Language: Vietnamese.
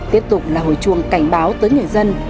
tiếp tục là hồi chuông cảnh báo tới người dân